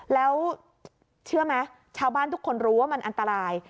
แล้วเชื่อไหมชาวบ้านทุกคนรู้ว่ามันอันตราย